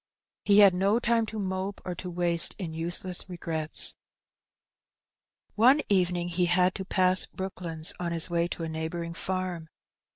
He had no time to mope or to waste in useless regrets. One evening he had to pass Brooklands on his way to a neighbouring farm.